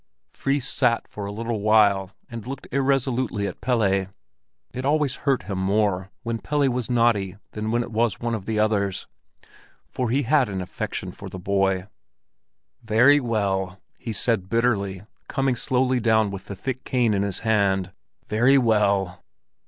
Fris sat for a little while and looked irresolutely at Pelle. It always hurt him more when Pelle was naughty than when it was one of the others, for he had an affection for the boy. "Very well!" he said bitterly, coming slowly down with the thick cane in his hand. "Very well!"